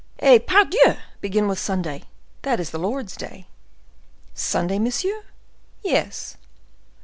"Eh, pardieux! begin with Sunday; that is the Lord's day." "Sunday, monsieur?" "Yes."